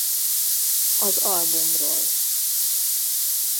Az albumról.